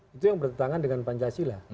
itu yang bertentangan dengan pancasila